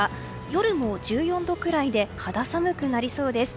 夜も１４度くらいで肌寒くなりそうです。